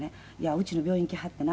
「うちの病院来はってな」